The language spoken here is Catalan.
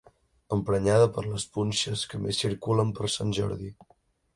Emprenyada per les punxes que més circulen per sant Jordi.